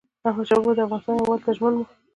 احمدشاه بابا د افغانستان یووالي ته ژمن و.